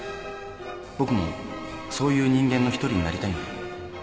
僕もそういう人間の一人になりたいんだよ